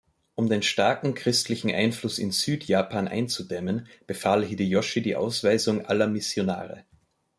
Um den starken christlichen Einfluss in Süd-Japan einzudämmen, befahl Hideyoshi die Ausweisung aller Missionare.